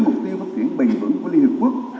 một mươi bảy mục tiêu phát triển bình vững của liên hợp quốc